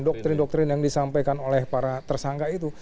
doktrin doktrin yang disampaikan oleh para tersangka itu